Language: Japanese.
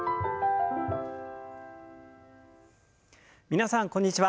皆さんこんにちは。